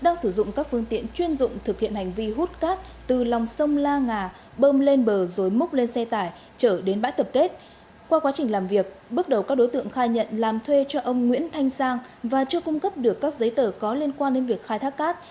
công an huyện tân phú đã lập bãi thập kết bơm lên bờ rồi múc lên xe tải chở đến bãi thập kết qua quá trình làm việc bước đầu các đối tượng khai nhận làm thuê cho ông nguyễn thanh sang và chưa cung cấp được các giấy tờ có liên quan đến việc khai thác cát